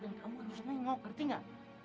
dan kamu kan disana yang ngok ngerti gak